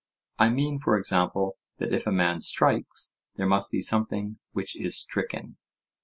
I mean, for example, that if a man strikes, there must be something which is stricken?